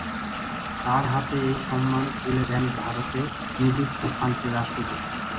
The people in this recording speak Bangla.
তাঁর হাতে এই সম্মান তুলে দেন ভারতে নিযুক্ত ফ্রান্সের রাষ্ট্রদূত।